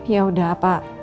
ya udah apa